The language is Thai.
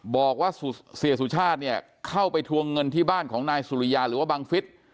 บอกว่าเสียสุชาติเนี่ยเข้าไปทวงเงินที่บ้านของนายสุริยาหรือว่าบังฟิศ